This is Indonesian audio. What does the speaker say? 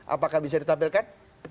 apakah bisa ditampilkan